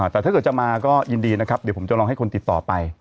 แต่ถ้าเกิดจะมาก็ยินดีนะครับเดี๋ยวผมจะลองให้คนติดต่อไป